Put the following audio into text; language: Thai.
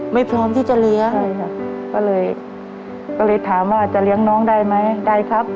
พร้อมที่จะเลี้ยงใช่ค่ะก็เลยก็เลยถามว่าจะเลี้ยงน้องได้ไหมได้ครับ